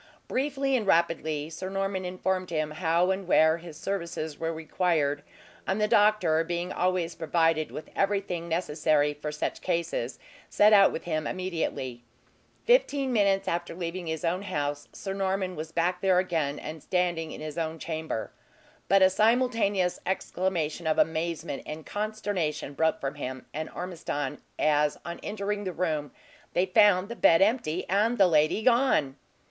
Briefly and rapidly Sir Norman informed him how and where his services were required; and the doctor being always provided with everything necessary for such cases, set out with him immediately. Fifteen minutes after leaving his own house, Sir Norman was back there again, and standing in his own chamber. But a simultaneous exclamation of amazement and consternation broke from him and Ormiston, as on entering the room they found the bed empty, and the lady gone!